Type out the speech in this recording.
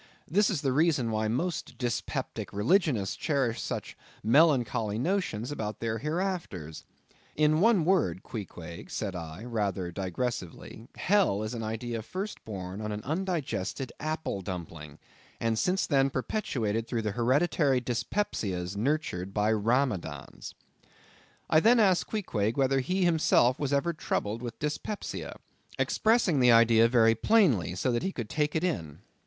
This is the reason why most dyspeptic religionists cherish such melancholy notions about their hereafters. In one word, Queequeg, said I, rather digressively; hell is an idea first born on an undigested apple dumpling; and since then perpetuated through the hereditary dyspepsias nurtured by Ramadans. I then asked Queequeg whether he himself was ever troubled with dyspepsia; expressing the idea very plainly, so that he could take it in.